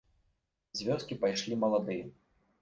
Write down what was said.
З вёскі пайшлі маладыя.